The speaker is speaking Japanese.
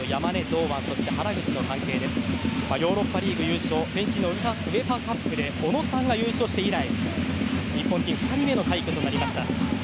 ヨーロッパリーグ優勝前身のＵＥＦＡカップで小野さんが優勝して以来日本人２人目の快挙となりました。